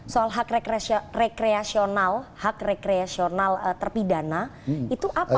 soal hak rekreasional terpidana itu apa pak